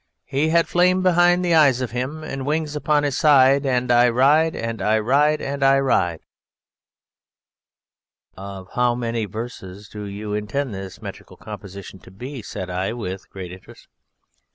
He had flame behind the eyes of him and wings upon his side And I ride; and I ride!_ "Of how many verses do you intend this metrical composition to be?" said I, with great interest.